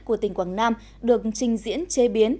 của tỉnh quảng nam được trình diễn chế biến